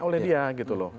oleh dia gitu loh